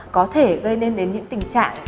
có thể gây nên đến những tình trạng